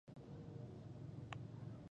نظم په لغت کي د ملغرو پېيلو ته وايي.